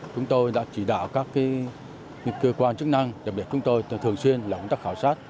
chúng tôi đã chỉ đạo các cơ quan chức năng đặc biệt chúng tôi thường xuyên làm công tác khảo sát